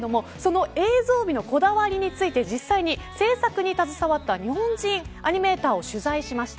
その映像美のこだわりについて実際に制作に携わった日本人アニメーターを取材しました。